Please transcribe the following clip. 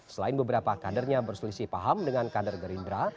selain beberapa kadernya berselisih paham dengan kader gerindra